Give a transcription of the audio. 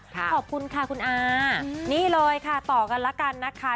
ขอบคุณค่ะคุณอานี่เลยค่ะต่อกันแล้วกันนะคะ